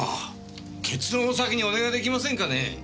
結論を先にお願い出来ませんかね。